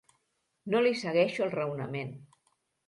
No li segueixo el raonament.